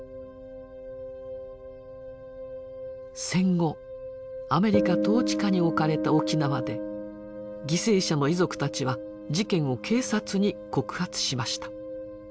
戦後アメリカ統治下に置かれた沖縄で犠牲者の遺族たちは事件を警察に告発しました。